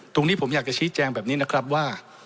ตรงนี้ผมอยากจะชี้แจงแบบนี้นะครับว่า